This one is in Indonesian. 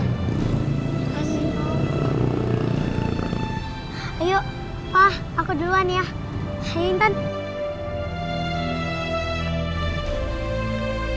terima kasih ibu